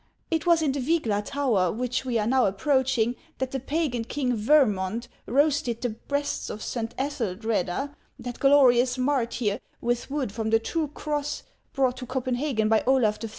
It was in the Vygla tower, which we are now approaching, that the pagan king Vermond roasted the breasts of Saint Ethel dreda, that glorious martyr, with wood from the true cross, brought to Copenhagen by Olaf TIT.